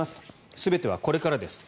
全てはこれからですと。